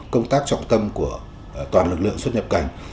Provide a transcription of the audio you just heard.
công tác trọng tâm của toàn lực lượng xuất nhập cảnh